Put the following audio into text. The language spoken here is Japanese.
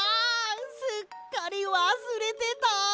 すっかりわすれてた！